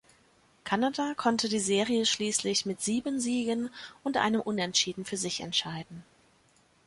Kanada konnte die Serie schließlich mit sieben Siegen und einem Unentschieden für sich entscheiden.